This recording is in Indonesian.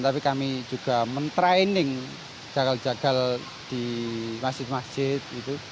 tapi kami juga men training jagal jagal di masjid masjid